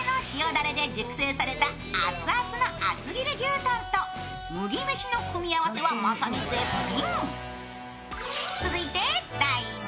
だれで熟成された熱々の厚切り牛たんと麦飯の組み合わせはまさに絶品。